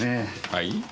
はい？